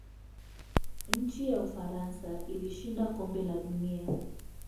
nchi ya ufaransa ilishinda kombe la dunia